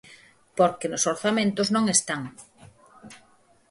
Porque nos orzamentos non están.